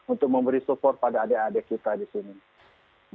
untuk memberi support pada adik adik kita di sini